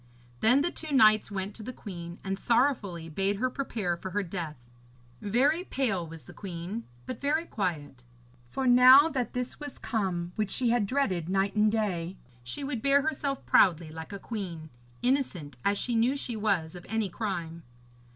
Then the two knights went to the queen and sorrowfully bade her prepare for her death. Very pale was the queen, but very quiet, for now that this was come which she had dreaded night and day, she would bear herself proudly like a queen, innocent as she knew she was of any crime.